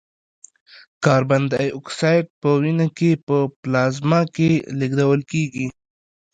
کاربن دای اکساید په وینه کې په پلازما کې لېږدول کېږي.